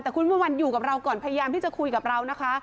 แต่คุณเมื่อวันอยู่กับเราก่อนพยายามที่จะคุยกับเรานะคะ